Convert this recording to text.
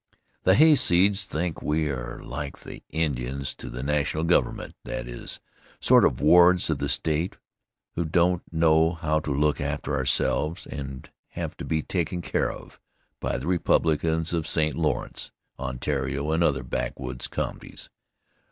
The hayseeds think we are like the Indians to the National Government that is, sort of wards of the State, who don't know how to look after ourselves and have to be taken care of by the Republicans of St. Lawrence, Ontario, and other backwoods counties.